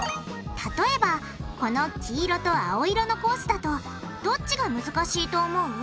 例えばこの黄色と青色のコースだとどっちが難しいと思う？